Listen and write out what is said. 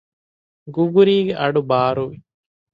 ގުގުރީގެ އަޑުބާރުވި